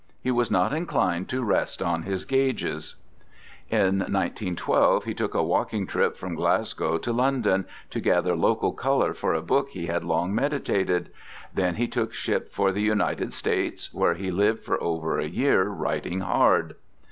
he was not inclined to rest on his gauges. In 1912 he took a walking trip from Glasgow to London, to gather local colour for a book he had long meditated; then he took ship for the United States, where he lived for over a year writing hard.